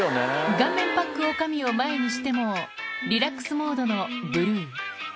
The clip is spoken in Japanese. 顔面パックおかみを前にしても、リラックスモードのブルー。